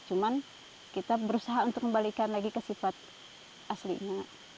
cuma kita berusaha untuk kembalikan lagi ke sifat aslinya